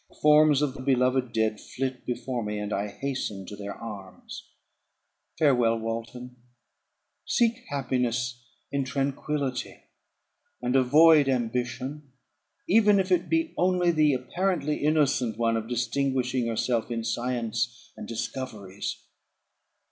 The forms of the beloved dead flit before me, and I hasten to their arms. Farewell, Walton! Seek happiness in tranquillity, and avoid ambition, even if it be only the apparently innocent one of distinguishing yourself in science and discoveries.